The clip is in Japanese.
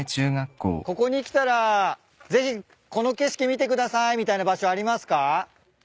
ここに来たらぜひこの景色見てくださいみたいな場所ありますか？